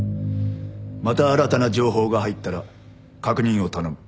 また新たな情報が入ったら確認を頼む。